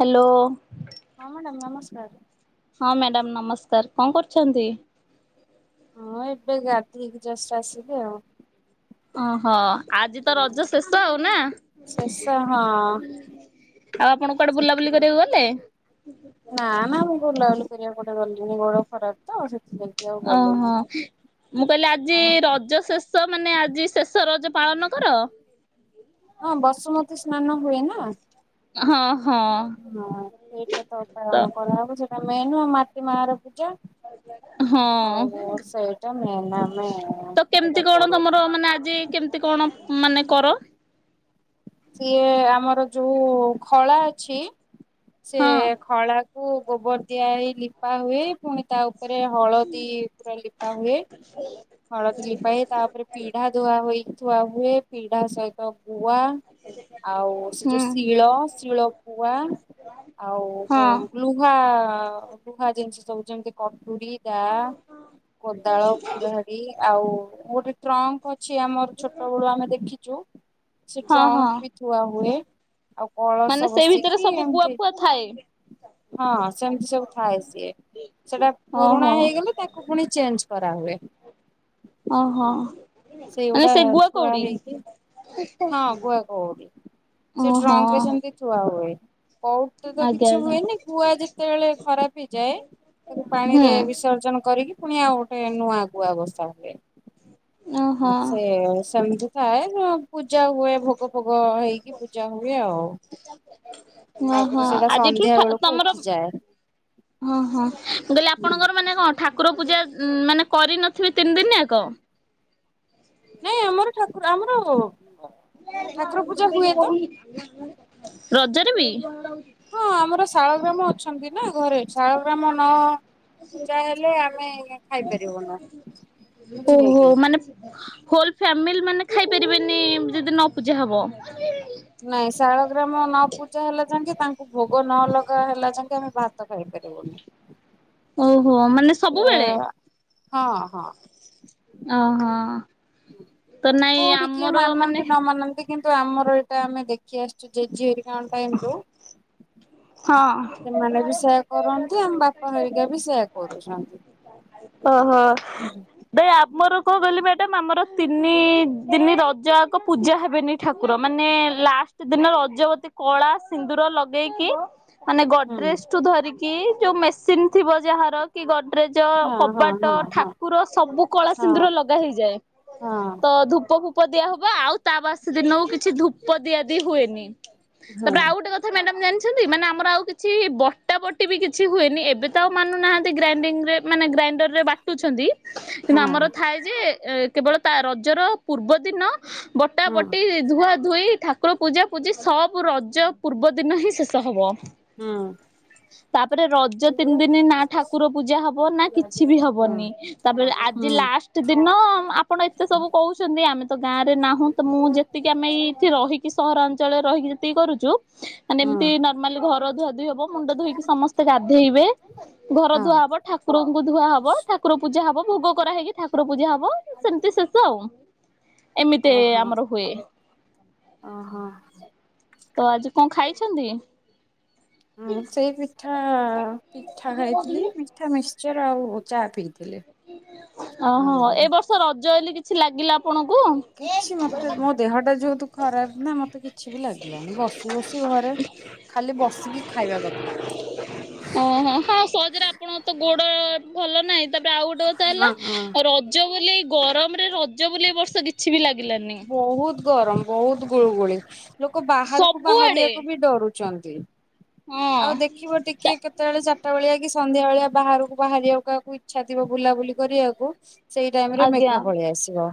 Hello. ହଁ madam ନମସ୍କାର। ହଁ ମ୍ୟାଡ଼ାମ୍ ନମସ୍କାର, କଣ କରୁଛନ୍ତି? ହଁ ଏବେ ଗାଧେଇକି ଜଷ୍ଟ ଆସିଲି ଆଉ। ଓହୋଃ ଆଜି ତ ହଁ ରଜ ଶେଷ ଆଉ ନା? ଶେଷ ହଁ ଆଉ ଆପଣ କୁଆଡେ ବୁଲାବୁଲି କରିବାକୁ ଗଲେ? ନା-ନା ମୁଁ ବୁଲାବୁଲି କରିବାକୁ କୁଆଡେ ଗଲୁନି ଗୋଡ ଖରାପ୍ ତ, ସେଥିଲାଗି। ଆଉ ଗଲିନି। ଓହୋଃ, ମୁଁ କହିଲି ଓ ଆଜି ରଜ ଶେଷ୍ ଷ, ମାନେ ଆଜି ଶେଷ ରଜ ପାଳନ କର? ହଁ ବସୁମତୀ ସ୍ନାନ ହୁଏ ନା। ହଁ ହଁ ହଁ-ଅ-ଅ ସେଇଟା ତ ପାଳନ କରାହବ ସେଟା ମେନ୍ ଆଉ ମାଟି ମାଆର ପୂଜା। ଆଜ୍ଞା। ଆଉ ହଁ-ଅ-ଅ, ସେଇଟା ମେନ୍ ଆମେ ତ ସେଇଟା କେମିତି କଣ କରୁ। ତମର ମାନେ ଆଜି କେମିତି କଣ ମାନେ କର? ସିଏ-ଏ ଆମର ଯୋଉ ଖଳା ଅଛି, ସେ ହଁ ଖଳାକୁ ଗୋବର ଦିଆ ହେଇ ଲିପା ହୁଏ। ପୁଣି ତା ତାପରେ ହଳଦୀ ପୁରା ଲିପା ହୁଏ। ହଳଦୀ ଲିପାହୁଏ, ତାପରେ ପିଢା ଧୁଆ ହୋଇ ଥୁଆ ହୁଏ, ପିଢା ସହିତ ଗୁଆ ହେଲେ ଆଉ ସେ ଯୋଉ ଶିଳ, ଶିଳପୁଆ ଆଉ ଉଁ ହଁ ଲୁହା-ଆ-ଆ-ଆ, ଲୁହା ଜିନିଷ ସବୁ ଯେମିତି କଟୁୁରି ଦାଆ, କୋଦାଳ, କୁରାଢି ଆଉ ଗୋଟେ ଟ୍ରଙ୍କ୍ ଅଛି ଆମର ଛୋଟ ବେଳୁ ଆମେ ଦେଖିଚୁ ସେ ହଁ ହଁ ଟ୍ରଙ୍କ୍ ବି ଥୁଆ ହୁଏ। ଆଉ ମାନେ କଳସ ସେଇ ଭିତରେ ବସିକି, ସବୁ ଗୁଆ ଏମିତି ଫୁଆ ଥାଏ ହଁ ସେମିତି ସବୁ ଥାଏ ସିଏ। ସେଟା ପୁରୁଣା ଓହୋ ହେଇଗଲେ ତାକୁ ପୁଣି ଚେଞ୍ଜ୍ କରାହୁୁଏ। ଓହୋଃ, ମାନେ ସେଇଗୁଡା ସେ ଗୁଆ ଥୁଆ କଉଡି ହେଇକି ହଁ ଗୁଆ କଉଡି, ସେ ଟ୍ରଙ୍କ୍ ରେ ଓହୋ ସେମିତି ଥୁଆ ହୁଏ। କଉଡିଟା ତ ଆଜ୍ଞା କିଛି ଆଜ୍ଞା ହୁଏନି। ଗୁଆ ଯେତେବେଳେ ଖରାପ ହେଇଯାଏ ତାକୁ ହୁଁ ପାଣିରେ ବିସର୍ଜନ କରିକି ପୁଣି ଆଉ ଗୋଟେ ନୂଆଁ ଗୁଆ ବସା ହୁଏ। ଓହୋ ଆଁ ସେ ସେମିତି ଥାଏ। ସେ ପୂଜା ହୁଏ ଭୋଗ ଫୋଗ ହେଇକି ପୂଜା ହୁଏ ଆଉ। ହଁ ତାପରେ ହଁ ସେଇଟା ଆଜିଠୁ ସନ୍ଧ୍ୟା ଠା ବେଳକୁ ତମର ଉଠିଯାଏ ହଁ-ହଁ, ମୁଁ କହିଲି ହୁଁ ଆପଣଙ୍କର ମାନେ କଣ? ଠାକୁର ପୂଜା ମାନେ କରି ନଥିବେ ତିନି ଦିନି ୟାକ। ନାଇଁ ଆମର ଠାକୁର ଆମର ଠାକୁର ପୂଜା ହୁଏ ତ ରଜରେ ବି ହଁ ଆମର ଶାଳଗ୍ରାମ ଅଛନ୍ତି ନା ଘରେ ଶାଳଗ୍ରାମ ନ ପୂଜା ହେଲେ ଆମେ ଖାଇପାରିବୁନୁ। ବୁଝିଲେ କି ଓହୋଃ, ମା ହୋଲ୍ ଫ୍ୟାମିଲି ମାନେ ଖାଇପାରିବେନି ଯଦି ନ ପୂଜା ହବ? ନାଇଁ ଶାଳଗ୍ରାମ ନ ପୂଜା ହେଲା ଯାଙ୍କେ ତାଙ୍କୁ ଭୋଗ ନ ଲଗା ହେଲା ଯାଙ୍କେ ଆମେ ଭାତ୍ ଭାତ ଖାଇ ପାରିବୁନି। ଓହୋଃ ମାନେ ଏ ସବୁବେଳେ ହଁ-ହଁ ଅଂ ହ। କୋଠି କିଏ ମାନେ ମାନନ୍ତି ନ ମାନନ୍ତି କିନ୍ତୁ ଆମର ଏଇଟା ଆମେ ଦେଖି ଆସିଛୁ ଜେଜେଏରିକାଙ୍କ ଟାଇମ ରୁ। ହଁ। ସେମାନେ ବି ସେୟା କରନ୍ତି ଆମ ବାପା ହେରିକା ବି ସେୟା କରୁଛନ୍ତି। ଓହୋ। ହୁଁ ବେ ଆମର କଣ ବେଲେ ମ୍ୟାଡମ୍ ଆମର ତିନି ଦିନ ରଜ ଆକ ପୂଜା ହେବେନି। ଠାକୁର ମାନେ ଲାଷ୍ଟ ଦିନ ରଜବତୀ କଳା ସିନ୍ଦୁର ଲଗେଇକି ମାନେ ଗଢ଼ରେଜ୍‌ ହଁ ଠୁ ଧରିକି ଯୋଉ ମେସିନ୍‌ ଥିବ ଯାହାର କି ଗଡ୍ରେଜ, ହଁ କବାଟ, ହଁ ହଁ ଠାକୁର ସବୁ କଳା ହଁ ସିନ୍ଦୁର ଲଗା ହେଇଯାଏ। ତ ହଁ ଧୂପ, ଫୂ ଧୂପ ଦିଆ ହବ ଆଉ ତା ବାସି ଦିନକୁ କିଛି ଧୂପ ଦିଆ ଦି ହୁଏନି। ହଁ ତାପରେ ଆଉ ଗୋଟେ କଥା ଥା ମ୍ୟାଡମ୍ ଜାଣିଛନ୍ତି ମାନେ ଆମ୍ ଆମର ଆଉ କିଛି ବଟା ବଟି ବି କିଛି ହୁଏନି। ଏବେ ତ ଆଉ ମାନୁନାହାନ୍ତି ଗ୍ରାଇଣ୍ଡିଙ୍ଗ ରେ ମାନେ ଗ୍ରାଇଣ୍ଡର ରେ ବା ଟୁ ଛନ୍ତି। କିନ୍ତୁ ଆମର ହଁ। ଥାଏ ଯେ କେବଳ ତା ରଜର ପୂର୍ବ ଦିନ ବଟା ହୁଁ ବଟି ଧୁଆ ଧୋଇ ଠାକୁର ପୂଜା ପୂଜି ସବୁ ରଜ ପୂର୍ବ ଦିନ ହିଁ ଶେଷ ହବ। ହୁଁ। ତାପରେ ରଜ ତିନି ହୁଁ ଦିନି ନା ଠାକୁର ପୂଜା ହବ ନା କିଛି ବି ହବନି। ତାପରେ ହୁଁ। ଆଜି ଲାଷ୍ଟ୍ ଦିନ ଆପଣ ଏତେ ସବୁ କହୁଛନ୍ତି, ଆମେ ତ ଗାଁ ରେ ନାହୁଁ ତ ମୁଁ ଯେତ୍ ତିିକେ ଆମେ ଏଇଠି ରହିକି କି ସହରାଞ୍ଚଳରେ ରହିକି ଯେତିକି କରୁଛୁ। ମାନେ ହୁଁ ଏମତି ନର୍ମାଲ ଘର ଧଆ ଧୁଇ ହବ ମୁଣ୍ଡ ଧୋଇକି ସମ୍ ସମସ୍ତେ ଗାଧେଇବେ ଘର ହଁ ଧୁଆ ହବ ଠାକୁରଙ୍କୁ ଧୁଆ ହବ ଠାକ୍ କୁର ପୂଜା ହବ ଭୋଗ କରା ହେଇକି ଠାକୁର ପୂଜା ହବ ସେମିତି ଶେଷ ଆଉ। ଏମିତି ଆମର ହୁଏ। ଅ ହଁ। ତ ଆଜି କଣ ଖାଇଛନ୍ତି? ହଁ ସେଇ ପିଠା ପିଠା ଖାଇଥିଲି, ମିଠା ମିକ୍ସଚର ଆଉ ଚା ପିଇଥିଲି। ଅ ଆଉ ହଁ ଏ ବର୍ଷ ରଜ ଏଲି କିଛି ଲାଗିଲା ଆପଣଙ୍କୁ? କିଛି ମତେ ମୋ ଦେହ ଟା ଯେହେତୁ ଖରାପ ନା ମତେ କିଛି ବି ଲାଗିଲାନି ବସି ବସି ଘରେ ଖାଲି ବସିକି ଖାଇବା କଥା। ହଁ। ହଁ ହଁ ସହଜ ରେ ଆପ୍ ଆପଣଙ୍କ ତ ଗୋଡ଼ ଭଲ ନାହିଁ ତାପରେ ଆଉ ଗୋଟେ କଥା ହେଲା ହଁ ହଁ। ରଜ ବୋଲେ ଏଇ ଗରମରେ ରଜ ବୋଲେ ଏ ବର୍ଷ କିଛି ବି ଲାଗିଲାନି? ବହୁତ ଗରମ ବହୁତ ଗୁଳୁଗୁଳି ଲୋକ ବାହାରକୁ ସବୁଆଡେ ବାହାରିବାକୁ ବି ଡରୁଛନ୍ତି। ହଁ ଆଉ ଦେଖ ଦେଖିବ ଟିକେ କେତେବେଳେ ଚାରଟା ବେଳିଆ କି ସନ୍ଧ୍ୟା ବେଳିଆ ବାହାରକୁ ବାହାରିବାକୁ କାହାକୁ ଇଚ୍ଛା ଥିବ ବୁଲାବୁଲି କରି ଆକୁ କୁ ସେଇ ଟାଇମ ରେ ଆଜ୍ଞା। ମେଘ ପଳେଇ ଆସିବ।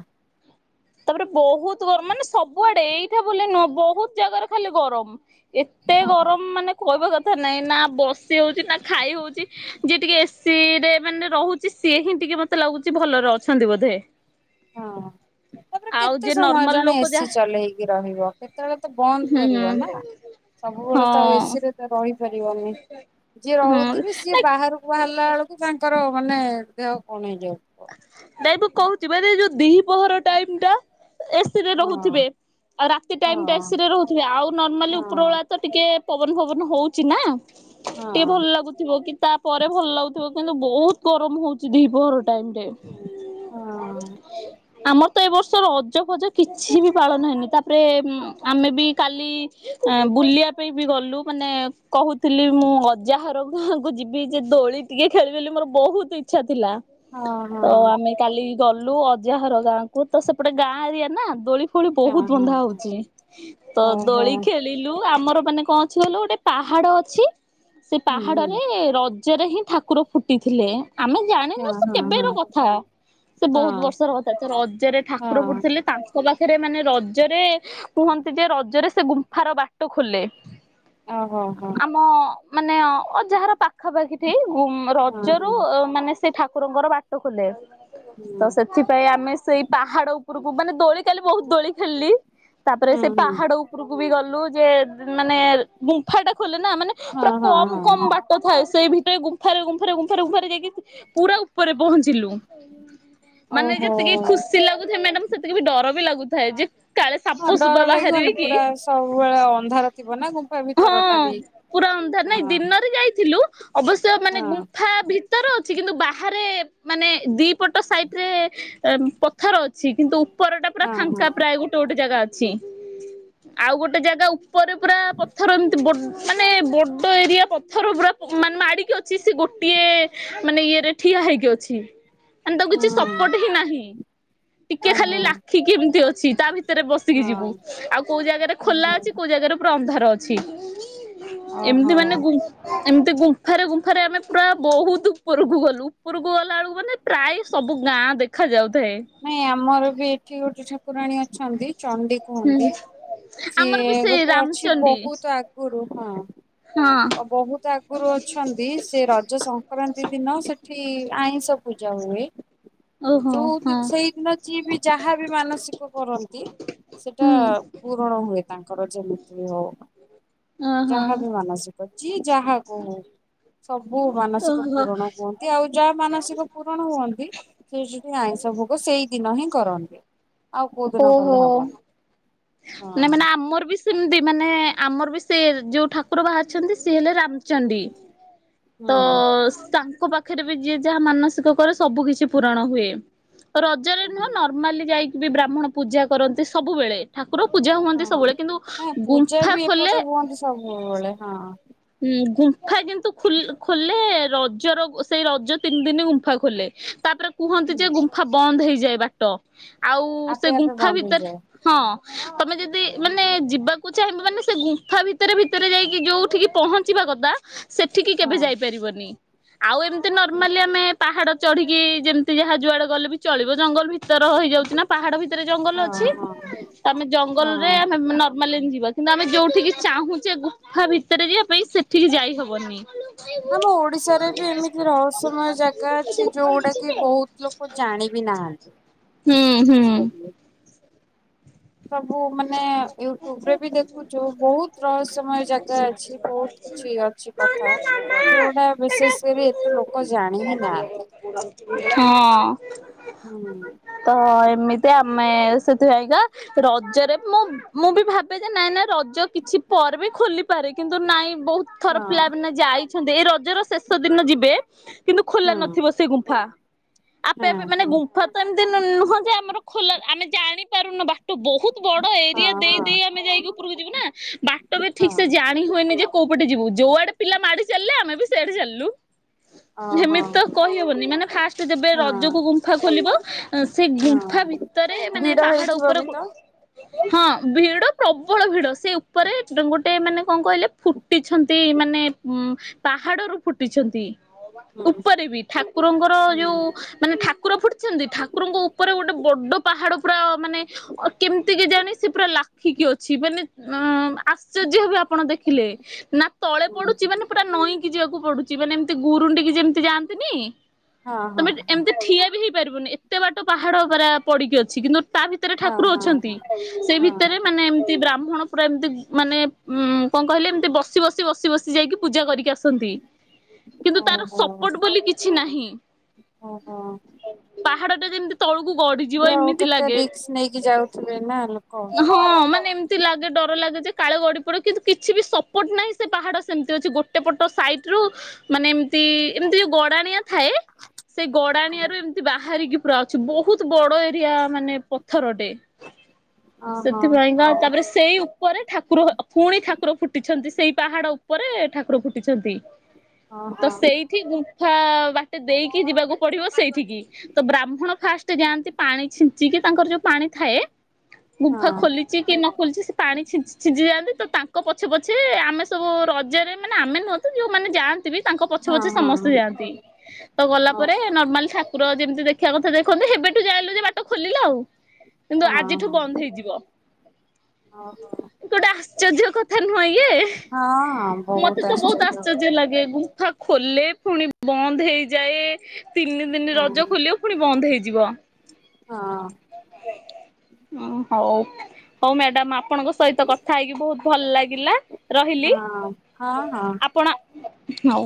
ତାପରେ ବହୁତ ଗରମ ମାନେ ସବୁଆଡେ ଏଇଠା ବୁ ନୁହଁ ବହୁତ ଜାଗାରେ ଖାଲି ଗରମ। ଏତେ ହଁ ଗରମ ମାନେ କହିବା କଥା ନହିଁ ନା ବସି ହଉଛି ନା ଖାଇ ହଉଛି ଯିଏ ଟିକେ ଏସିି ରେ ମାନେ ରହୁଛି ସିଏ ହିଁ ଟିକେ ମତେ ଲାଗୁଛି ଭଲରେ ଅଛନ୍ତି ବୋଧେ? ହଁ। ତାପରେ ଆଉ କେତେ ଯିଏ ସମୟ ନର୍ମାଲ ଜଣେ ଲୋକ ଏସିି ଯାହା ଚଲେଇକି ରହିବ? କେତେବେଳେ ତ ବନ୍ଦ ହୁଁ କରିବ ନା? ସବୁବେଳେ ତ ଆଉ ହଁ। ଏସିି ରେ ତ ରହିପାରିବନି? ଯିଏ ହୁଁ ନାଇଁ ରହୁଥିବେ ସିଏ ବାହାରକୁ ବାହାରିଲା ବେଳକୁ ତାଙ୍କର ମାନେ ଦେହ କଣ ହେଇଯାଉଥିବ। ନାଇଁ ମୁଁ କହୁଚି ମାନେ ଏ ଯୋଉ ଦିହିପହର ଟାଇମ୍ ଟା ଏସ୍ ରହୁଥିବେ ହଁ ଆଉ ରାତି ଟାଇମ୍ ଟା ହଁ ଏସି ରେ ରହୁଥିବେ ଆଉ ନର୍ମାଲି ହଁ ଉପର ବେଳା ତ ଟିକେ ପବନ ପବନ ହଉଚି ନା। ହଁ ଟିକେ ଭଲ ଲାଗୁଥିବ। କି ତା ପରେ ଭଲ ଲାଗୁଥିବ। କିନ୍ତୁ ବହୁତ୍ ଗରମ ହଉଚି ଦି ପହର ଟାଇମ୍ ରେ। ହଁ। [unintelligible] ଆମର ତ ଏ ବର୍ଷର ରଜ ଫଜ କିଛି ବି ପାଳନ ହେଇନି। ତାପରେ ଆମେ ବି କାଲି ଆ ବୁଲିବା ପାଇଁ ବି ଗଲୁ। ମାନେ କହୁଥିଲି ମୁଁ ଅଜା ଘର ଗାଁକୁ ଯିବି ଯେ ଦୋଳି ଟିକେ ଖେଳିବି ବୋଲି ମୋର ବହୁତ ଇଚ୍ଛା ଥିଲା। ହଁ ତ ହଁ ଆମେ କାଲି ଗଲୁ ଅଜା ଘର ଗାଁ କୁ ତ ସେପଟେ ଗାଁ ଏରିଆ ନା ଦୋଳି ପୁଣି ହଁ ବହୁତ୍ ହଁ ବନ୍ଧା ହଁ ହଉଚି। ତ ଓହୋ ଦୋଳି ଖେ ଲିଲୁ ଆମର ମାନେ କଣ ଅଛି କହିଲୁ, ଗୋଟେ ପାହାଡ ଅଛି, ସେ ହୁଁ ହୁଁ ପାହାଡରେ ରେ ର ରଜ ରେ ହିଁ ଠାକୁର ଫୁଟିଥିଲେ। ଆମେ ଜାଣିନୁ ହଁ ହଁ କେବେ ର କଥା ସେ ବହୁତ ହଁ ବର୍ଷର କଥା। ତ ରଜରେ ଠାକୁର ହଁ ଫୁଟିଥିଲେ ତାଙ୍କ ପାଖରେ ମାନେ ରଜରେ କୁହନ୍ତି ଯେ ରଜରେ ସେ ଗୁମ୍ଫାର ବାଟ ଖୋଲେ। ଓହୋ ହଁ ଆମ ମାନେ ଅଜା ଘର ପାଖାପାଖି ଠେଇ ଗୁ ହଁ ରଜରୁ ହଁ ମାନେ ସେ ଠାକୁରଙ୍କର ବାଟ ଖୋଲେ। ତ ସେ ସେଥିପାଇଁ ଆମେ ସେଇ ପାହାଡ ଉପରକୁ ମାନେ ଦୋଳି କାଲି ବହୁତ୍ ଦୋଳି ଖେଳିଲି। ତାପରେ ସେ ହଁ ପାହାଡ ଉପରକୁ ବି ଗଲୁ। ଯେ ମାନେ ଗୁ ଗୁମ୍ଫା ଟା ଖୋଲେ ନା ମାନେ ହଁ ପୁରା ହଁ କମ୍ କମ୍ ବା ହଁ ବାଟ ଥାଏ। ସେଇ ଭିତରେ ଗୁମ୍ଫାରେ ଗୁମ୍ଫାରେ ଗୁମ୍ଫାରେ ଗୁମ୍ଫାରେ ଯାଇକି ପୁରା ଉପରେ ପହଞ୍ଚିଲୁ। ମାନେ ଯେତିକି ଓହୋ ଖୁସି ଲାଗୁଥାଏ ମ୍ୟାଡାମ୍ ସେତିକି ବି ଡର ବି ଲାଗୁଥାଏ। ଯେ କାଳେ ହଁ ସାପ ସୁପା ଡର ଲାଗିବନି ବାହାରିବେ କି ପୁରା ସବୁବେଳେ ଅନ୍ଧାର ଥିବ ନା ଗୁମ୍ଫା ହଁ ଭିତର ଟା ବି। ପୁରା ଅନ୍ଧାର ହଁ ନାଇଁ ଦିନରେ ଯାଇଥିଲୁ। ଅବଶ୍ୟ ମାନେ ହଁ ଗୁମ୍ଫା ଭିତରେ ଅଛି। କିନ୍ତୁ ବା ବାହାରେ ମାନେ ଦି ପଟ ସାଇଟ୍ ରେ ପଥର ଅଛି। କିନ୍ତୁ ଉପରଟା ପୁରା ହଁ ଫାଙ୍କା ପ୍ରାୟ ଗୋଟେ ଗୋଟେ ଜାଗା ଅଛି। ଆଉ ଗୋଟେ ଜାଗା ଉପରେ ପୁରା ପଥର ଏମତି ବଡ୍ ମାନେ ବଡ ଏରିଆ ପଥର ପୁରା ମାନେ ମାଡିକି ଅଛି ସେ ଗୋଟିଏ ମାନେ ଇଏରେ। ଠିଆ ହେଇକି ଅଛି। ମାନେ ତାକୁ ହଁ କିଛି ହଁ ସପୋର୍ଟ ହିଁ ନାହିଁ। ଟିକେ ଖାଲି ଓହୋ ଲା ଖିକି ଏମତି ଅଛି। ତା ଭିତରେ ବସିକି ଯିବୁ। ହଁ। ଆଉ କୋଉ ଜାଗାରେ ଖୋଲା ଓହୋ ଅଛି କୋଉ ଜାଗାରେ ପୁରା ଅନ୍ଧାର ଅଛି। ଓହୋ ଏମିତି ମାନେ ଗୁ ଏମତି ଗୁମ୍ଫାରେ ଗୁମ୍ଫାରେ ଆମେ ପୁରା ବହୁତ୍ ଉପରକୁ ଗଲୁ। ଉପରକୁ ଗଲା ବେଳକୁ ମାନେ ପ୍ରାୟ ସବୁ ଗାଁ ଦେଖା ଯାଉଥାଏ। ନାଇଁ ଆମର ବି ଏଠି ଗୋଟେ ଠା ଠାକୁରାଣୀ ଅଛନ୍ତି ଚଣ୍ଡି କୁହନ୍ତି। ହୁଁ ଆମର ସିଏ ବି ସେଇ ଗୋଟେ ଅଛି ରାମଚଣ୍ଡୀ ବହୁତ୍ ଆଗ ଆଗୁରୁ ହଁ। ବହୁତ୍ ଆଗରୁ ଅଛନ୍ ନ୍ତି। ସେ ରଜ ସଂକ୍ରାନ୍ତି ଦିନ ସେଠି ଆଇଁଷ ପୂଜା ହୁଏ। ଓହୋ ଯୋଉ ଦି ହଁ ସେଇଦିନ ଯିଏ ବି ଯାହା ବି ମାନସିକ କରନ୍ତି ସେଟା ହୁଁ ପୂରଣ ହୁଏ ତାଙ୍କର ଯେମିତି ବି ହଉ। ଓହୋ ଯାହା ବି ମାନସିକ, ଯିଏ ଯାହା କହୁ। ସବୁ ମାନସିକ ଓହୋ। ପୂରଣ ହୁଅନ୍ତି। ଆଉ ଯାହା ମାନସିକ ପୂରଣ ହୁଅନ୍ତି, ସେ ସେଠି ଆ ଭୋଗ ସେଇ ଦିନ ହିଁ କରନ୍ତି। ଆଉ କୋଉ ଦିନ ଓହୋ। କଲେ ହବନି ହଁ ନ ମାନେ ଆମର ବି ସେମିତି ମାନେ ଆମର ବି ସେ ଯୋଉ ଠାକୁର ବାହାରିଛନ୍ତି ସିଏ ହେଲେ ରାମ ଚଣ୍ଡି ତ ହୁଁ ତାଙ୍କ ପାଖ ହେଟ୍ଟା ବି ଯିଏ ଯାହା ମାନସିକ କରେ ସବୁ କିିଛି ପୂରଣ ହୁଏ ରଜରେ ହୁଁ ନୁହଁ ନର୍ମାଲି ଯାଇକି ବି ବ୍ରାହ୍ମଣ ପୂଜା କରନ୍ତି ସବୁବେଳେ ଠାକୁର ପୂଜା ହୁଅନ୍ତି ହଁ ସବୁବେଳେ ନାଇଁ କିନ୍ତୁ ପୂଜା ଗୁମ୍ଫା ବି ଖୋଲେ ଏପଟେ ହୁଅନ୍ତି ସବୁବେଳେ ହଁ। ହଁ ଗୁମ୍ଫା କିନ୍ତୁ ଖୋ ଖୋଲେ ରଜର ସେଇ ରଜ ତିନି ଦିନ ଗୁମ୍ଫା ଖୋଲେ ତାପରେ କୁହନ୍ତି ହୁଁ ଯେ ଗୁମ୍ଫା ବନ୍ଦ ହେଇଯାଏ ବାଟ। ଆଉ ଆପେ ସେ ଆପେ ଗୁମ୍ଫା ବନ୍ଦ ଭିତରେ ହେଇଯାଏ ହଁ ତମେ ଯଦି ମାନେ ଯିବାକୁ କୁ ଚାହିଁବ ମାନେ ସେ ଗୁମ୍ଫା ଭିତରେ ଭିତରେ ଯାଇକି ଯୋଉଠିକି ପହଞ୍ଚିବା କଥା ସେଠିକି କେବେ ହଁ ଯାଇପାରିବନି ଆଉ ଏମିତି ହଁ ନର୍ମାଲି ଆମେ ପାହାଡ ଚଢିକି ଯେମିତି ଯାହା ଯୁଆଡେ ଗଲେ ବି ଚଳିବ ଜଙ୍ଗଲ ଭିତର ହେଇଯାଉଚିନା ପାହାଡ ଭିତରେ ଜଙ୍ଗଲ ଅଛି ହଁ ତ ଆମେ ହଁ ଜଙ୍ଗଲରେ ଆମେ ମାଲେନି ଯିବା କିନ୍ତୁ ଆମେ ଯୋଉଠିକି ଚାହୁଁଛେ ଗୁଫା ଭିତରେ ଯିବା ପାଇଁ ସେଠିକି ଯାଇହବନି। ଆମ ଓଡିଶାରେ ବି ଏମିତି ରହସ୍ୟମୟ ଜାଗା ଅଛି ଯୋଉଗୁଡା କି ବହୁତ ଲୋକ ଜାଣ ବିି ନାହାନ୍ତି। ହ [unintelligible] ଇସ୍ ବଦଲେ। ସବୁ ମାନେ ୟୁଟ୍ୟୁବ ରେ ବି ଦେଖୁଛୁ ବହୁତ ରହସ୍ୟମୟ ଜାଗା ଅଛି ବହୁତ କିଛି ଅଛି କଥା ଯୋଉଟା ବିଶେଷ କରି ଏତେ ଲୋକ ଜାଣି ହିଁ ନାହାନ୍ତି। ହଁ। ହୁଁ। ତ ଏମିତି ଆମେ ସେଥିପାଇଁକା ରଜରେ ମୁଁ ମୁଁ ବି ଭାବେ ଯେ ନାଇଁ ନାଇଁ ରଜ କିଛି ପରେ ବି ଖୋଲିପାରେ କିନ୍ତୁ ନାଇଁ ବହୁତ ଥର ହଁ ପିଲା ମାନେ ଯାଇଛନ୍ତି ଏଇ ରଜର ଶେଷ ଦିନ ଯିବେ କିନ୍ତୁ ଖୋଲା ହୁଁ ନଥିବ ସେ ଗୁମ୍ଫା। ଆପେ ହଁ ଆପେ ମାନେ ହଁ ଗୁ ସେମିତି ନୁହଁ ଯେ ଆମର ଖୋଲା ଆମେ ଜାଣିପାରୁନୁ ବାଟ ବହୁତ ବଡ ଏରିଆ ଦେଇ ଦେଇେଇ ଆମେ ଯାଇକି ଉପରକୁ ଯିବୁ ନା ବାଟ ବି ହଁ ହଁ ଠିକ ସେ ହଁ ଯା ପାଣି ହୁଏନି ଯେ କୋଉ ପଟେ ଯିବୁ ଯଉ ଆଡ଼େପିଲା ମାଡ଼ି ଚାଲିଲେ ଆମେ ବି ସେଆଡେ ଚାଲିଲୁ। ଓହୋ ସେମିତି ତ କହିବନି ମାନେ ଫାଷ୍ଟ ଯେବେ ହଁ ରଜକୁ ଗୁମ୍ଫା ଖୋଲିବ ସେ ଗୁମ୍ଫା ହଁ ଭିତରେ ମାନେ ଭିଡ ପାହାଡ ହେଇଥିବ ବି ଉପରେ ତ ହଁ ଭିଡ ପ୍ରବଳ ଭିଡ ସେ ଉପରେ ଗୋଟେ ମାନେ କଣ କହିଲେ ଫୁଟିଛନ୍ତି ମାନେ ଉ ପାହାଡରୁୁ ଫୁଟିଛନ୍ତି। ହୁଁ ଉପରେ ବି ଠାକୁରଙ୍କର ହୁଁ ଯୋଉ ମାନେ ଠାକୁର ଫୁଟ ଛନ୍ତି ଠାକୁରଙ୍କ ଉପରେ ଗୋଟେ ବଡ ପାହାଡ ପୁରା ମାନେ କେମିତି କି ଜାଣି ସେ ପୁରା ଲାଖିକି ଅଛି ମାନେ ଅ ଆଶ୍ଚର୍ଯ୍ୟ ବି ଆପଣ ଦେଖିଲେ ନା ତଳେ ହୁଁ ପଡୁଛି ହୁଁ ମାନେ ପୁରା ନଈଁକି ଯିବାକୁ ପଡୁଛି ମାନେ ଏମିତି ଗୁରୁଣ୍ଡିକି ଯେମିତି ଯାଆନ୍ତିନି ହଁ ହଁ ତମେ ଏମିତି ଠିଆ ବି ହେଇପାରିବୁନି ଏତେ ବାଟ ପାହାଡ ପରା ପଡିକି ଅଛି କିନ୍ତୁ ତା ଭିତରେ ହଁ ଠାକୁର ହଁ ଅଛନ୍ତି ହଁ ସେ ହଁ ହଁ ଭିତରେ ମାନେ ଏମିତି ବ୍ରାହ୍ମଣ ପୁରା ଏମିତି ମାନେ ଉ କଣ କହିଲେ ଏମତି ବସି ବସି ବସି ବସି ଯାଇକି ପୂଜା କରିକି ଆସନ୍ତି। କିନ୍ତୁ ତାର ଓହୋ ସପୋର୍ଟ ବୋଲି କିଛି ନାହିଁ। ଓହୋ। ପାହାଡ ଟା ଯେମିତି ତଳକୁ ଗଢଯିବ ଆଉ ଏମିତି କେତେ ଲାଗେ ରିକ୍ସ ନେଇକି ଯାଉଥିବେ ନା ଲୋକ ହଁ ମାନେ ଲାଗେ ଡର ଲାଗେ ଯେ କାଳ ଗଡ଼ି ପଡ଼ କିନ୍ତୁ କିଛି ବି ସପୋର୍ଟ ନାହିଁ ସେ ପାହାଡ଼ ସେମିତି ଅଛି ଗୋଟେ ପଟ ସାଇଟ ରୁ ମାନେ ଏମତି ଏମତି ଗଡାଣିଆ ଥାଏ ସେ ଗଡାଣିଆରୁ ଏମତି ବାହାରିକି ପୁରା ଅଛି ବହୁତ ବଡ ଏରିଆ ମାନେ ପଥରଟେ ଓହୋ ସେଥିପାଇଁ ପାଇଁ ହଉ ପା ତାପରେ ସି ସେଇ ଉପରେ ଠାକୁର ଅ ପୁଣି ଠାକୁର ଫୁଟିଛନ୍ତି ସେଇ ପାହାଡ ଉପରେ ଠାକୁର ଫୁଟିଛନ୍ତି। ତ ଓହୋ ସେଇଠି ଗୁମ୍ଫା ବାଟେ ଦେଇକି ଯିବାକୁ ପଡିବ ସେଇଠିକି। ତ ବ୍ରାହ୍ମଣ ଫାଷ୍ଟ ଯାଆନ୍ତି ପାଣି ଛିଞ୍ଚିକି ତାଙ୍କର ଯୋଉ ପାଣି ଥାଏ ହଁ ଗୁମ୍ଫା ଖୋଲିଛି କି ନ ଖୋଲିଛି ସେ ପାଣି ଛିଞ୍ଚି ଛିଞ୍ଚି ଯାଆନ୍ତି ତ ତାଙ୍କ ପଛେ ପଛେ ଆମେ ସବୁ ରଜରେ ମାନେ ଆମେ ନୁହଁନ୍ତୁ ଯୋଉମାନେ ଯାଆ ବି ତାଙ୍କ ପଛ ହଁ ପଛେ ହଁ ସମସ୍ତେ ଯାଆନ୍ତି ତ ଗଲା ପରେ ଓହୋ ନମାର୍ଲ ଠା ତ ଯେମିତି ଦେଖିବା କଥା ଦେଖନ୍ତି ହେବେଠୁ ଯାଇଲୁ ଯେ ବାଟ ଖୋଲିଲା ଆଉ କିନ୍ତୁ ହଁ ଆଜିଠୁ ହଁ ବନ୍ଦ ହେଇ ଯିବ ଓହୋ। ଗୋଟେ ଆଶ୍ଚର୍ଯ୍ୟ କଥା ନୁହଁ ଇଏ। ହଁ ହଁ ମତେ ବହୁତ ତ ବହୁତ୍ ଆଶ୍ଚର୍ଯ୍ୟ ଲାଗେ ଗୁମ୍ଫା ଖୋଲେ ପୁଣି ବନ୍ଦ ହେଇଯାଏ ତିନି ଦିନ ହଁ ରଜ ଖୋଲିବ ପୁଣି ବନ୍ଦ ହେଇଯିବ। ହଁ। ହଁ ହଉ ହଉ ମ୍ୟାଡାମ ଆପଣଙ୍କସ ସହିତ କଥା ହେଇକି ବହୁତ ଭଲ ଲାଗିଲା ରହିଲି ହଁ ହଁ ହଁ। ଆପଣ ହଉ।